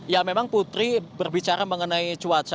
ya memang putri berbicara mengenai cuaca